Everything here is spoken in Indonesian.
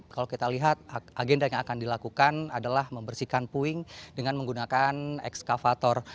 kalau kita lihat agenda yang akan dilakukan adalah membersihkan puing dengan menggunakan ekskavator